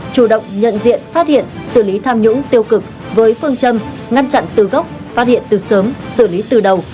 chủ động nhận diện phát hiện xử lý tham nhũng tiêu cực với phương châm ngăn chặn từ gốc phát hiện từ sớm xử lý từ đầu